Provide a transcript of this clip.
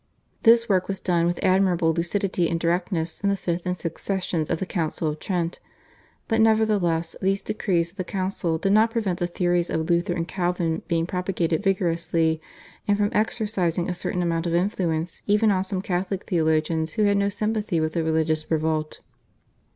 This work was done with admirable lucidity and directness in the fifth and sixth sessions of the Council of Trent, but nevertheless these decrees of the Council did not prevent the theories of Luther and Calvin being propagated vigorously, and from exercising a certain amount of influence even on some Catholic theologians who had no sympathy with the religious revolt.